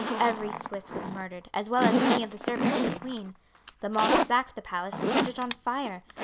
Every Swiss was murdered, as well as many of the servants of the queen. The mob sacked the palace and set it on fire.